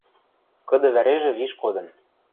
кыды вӓрежӹ виш кодын